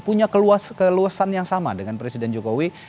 punya keluasan yang sama dengan presiden jokowi